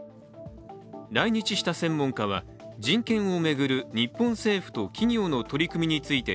来日した専門家は、人権を巡る日本政府と企業の取り組みについて